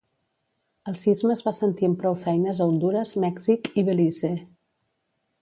El sisme es va sentir amb prou feines a Hondures, Mèxic i Belize.